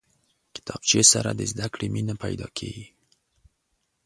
کتابچه سره د زده کړې مینه پیدا کېږي